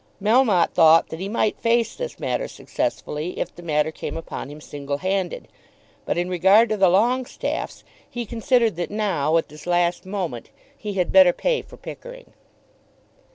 Melmotte thought that he might face this matter successfully if the matter came upon him single handed; but in regard to the Longestaffes he considered that now, at this last moment, he had better pay for Pickering.